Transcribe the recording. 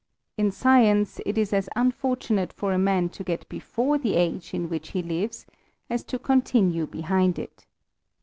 In science, it is as unfortunate for a man to get before the age in which he lives, as to continue behind it.